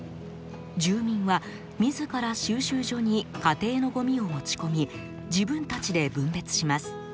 住民は自ら収集所に家庭のごみを持ち込み自分たちで分別します。